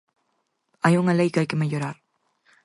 Hai unha lei que hai que mellorar.